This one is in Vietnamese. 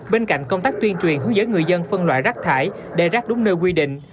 bên cạnh công tác tuyên truyền hướng dẫn người dân phân loại rác thải để rác đúng nơi quy định